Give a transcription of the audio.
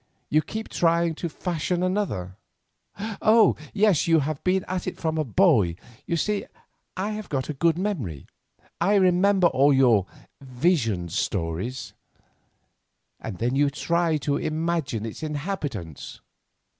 You keep trying to fashion another—oh! yes, you have been at it from a boy, you see I have got a good memory, I remember all your 'vision stories'—and then you try to imagine its inhabitants."